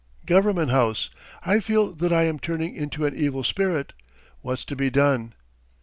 Government House. I feel that I am turning into an evil spirit. What's to be done?